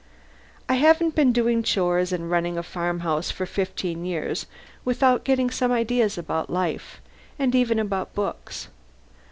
I haven't been doing chores and running a farmhouse for fifteen years without getting some ideas about life and even about books.